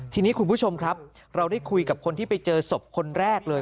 ทีนี้คุณผู้ชมครับเราได้คุยกับคนที่ไปเจอศพคนแรกเลย